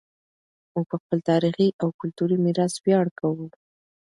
موږ په خپل تاریخي او کلتوري میراث ویاړ کوو.